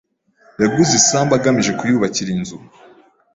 Yaguze isambu agamije kuyubakira inzu.